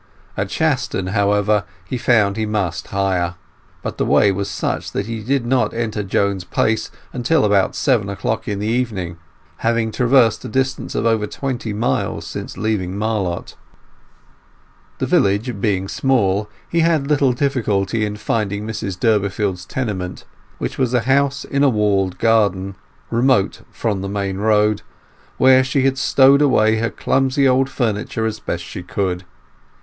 At Shaston, however, he found he must hire; but the way was such that he did not enter Joan's place till about seven o'clock in the evening, having traversed a distance of over twenty miles since leaving Marlott. The village being small he had little difficulty in finding Mrs Durbeyfield's tenement, which was a house in a walled garden, remote from the main road, where she had stowed away her clumsy old furniture as best she could.